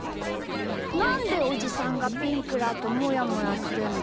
なんでおじさんがピンクだともやもやするんだ？